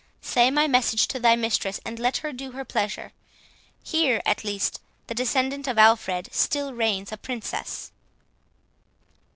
Say my message to thy mistress, and let her do her pleasure. Here, at least, the descendant of Alfred still reigns a princess."